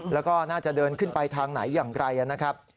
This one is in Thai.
แล้วก็น่าจะเดินขึ้นไปทางไหนอย่างไรนะครับ